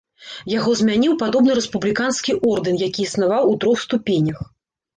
Яго змяніў падобны рэспубліканскі ордэн, які існаваў у трох ступенях.